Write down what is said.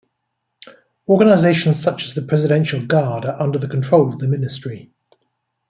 Organizations such as the Presidential Guard are under the control of the Ministry.